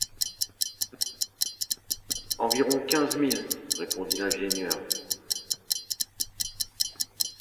Environ quinze milles, répondit l’ingénieur